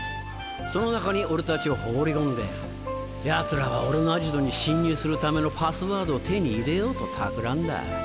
その中に俺たちを放り込んでヤツらは俺のアジトに侵入するためのパスワードを手に入れようとたくらんだ。